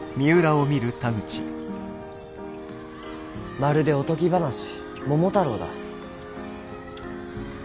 まるでおとぎ話「桃太郎」だ。